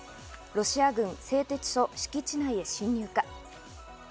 ロシア軍、製鉄所敷地内へ進入か。